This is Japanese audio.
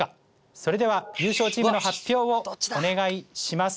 それでは優勝チームの発表をお願いします。